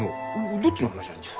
どっちの話なんじゃ？